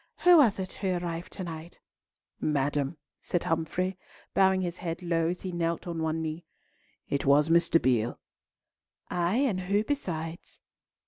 Who was it who arrived to night?" "Madame," said Humfrey, bowing his head low as he knelt on one knee, "it was Mr. Beale." "Ay, and who besides?"